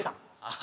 あ。